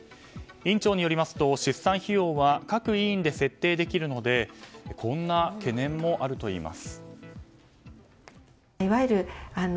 院長によりますと出産費用は各医院で設定できるのでこんな懸念もあるといいます。